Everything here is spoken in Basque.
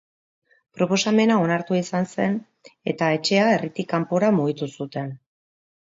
Proposamena onartua izan zen eta etxea herritik kanpora mugitu zuten.